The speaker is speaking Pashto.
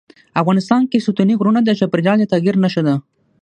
افغانستان کې ستوني غرونه د چاپېریال د تغیر نښه ده.